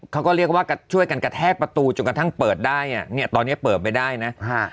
เขาก็เรียกว่าช่วยกันกระแทกประตูจนกระทั่งเปิดได้อ่ะเนี่ยตอนเนี้ยเปิดไปได้นะ